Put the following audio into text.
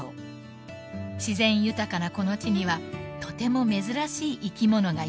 ［自然豊かなこの地にはとても珍しい生き物がいます］